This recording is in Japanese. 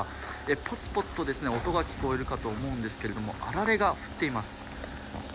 ぽつぽつと音が聞こえるかと思うんですけどあられが降っています。